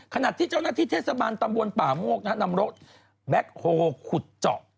ขณะที่เจ้าหน้าที่เทศบาลตำบลป่าโมกนำรถแบ็คโฮลขุดเจาะ